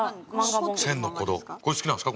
これ好きなんですか？